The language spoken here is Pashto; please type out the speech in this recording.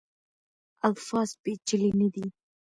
الفاظ پیچلي نه دي.